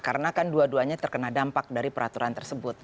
karena kan dua duanya terkena dampak dari peraturan tersebut